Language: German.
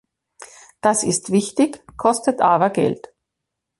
Das ist wichtig, kostet aber Geld.